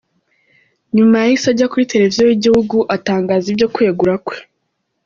Nyuma yahise ajya kuri Televiziyo y’igihugu atangaza ibyo kwegura kwe.